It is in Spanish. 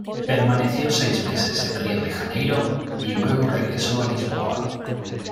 Permaneció seis meses en Río de Janeiro, y luego regresó a Lisboa.